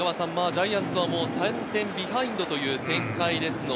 ジャイアンツは３点ビハインドという展開です。